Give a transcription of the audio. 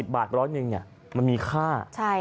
บาทร้อยหนึ่งมันมีค่า